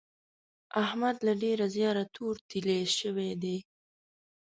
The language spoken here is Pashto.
احمد له ډېره زیاره تور تېيلی شوی دی.